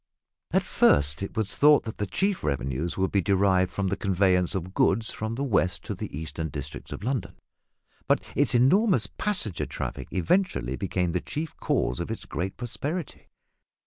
At first it was thought that the chief revenues would be derived from the conveyance of goods from the west to the eastern districts of London, but its enormous passenger traffic eventually became the chief cause of its great prosperity.